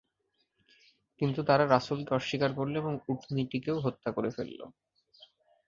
কিন্তু তারা রাসূলকে অস্বীকার করল এবং উটনীটিকেও হত্যা করে ফেললো।